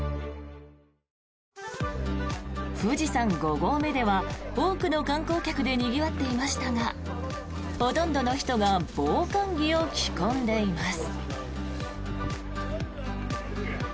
富士山五合目では多くの観光客でにぎわっていましたがほとんどの人が防寒着を着込んでいます。